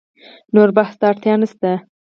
نور بحث ته اړتیا نشته.